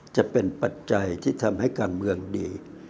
ปัจจัยที่ทำให้การเมืองดี